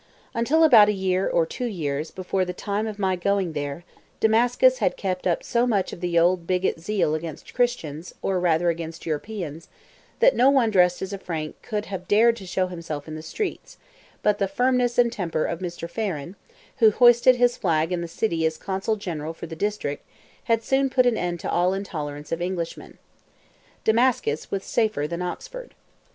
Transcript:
Until about a year, or two years, before the time of my going there Damascus had kept up so much of the old bigot zeal against Christians, or rather, against Europeans, that no one dressed as a Frank could have dared to show himself in the streets; but the firmness and temper of Mr. Farren, who hoisted his flag in the city as consul general for the district, had soon put an end to all intolerance of Englishmen. Damascus was safer than Oxford.